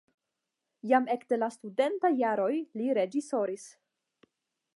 Jam ekde la studentaj jaroj li reĝisoris.